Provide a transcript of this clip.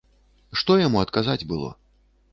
Што яму адказаць было?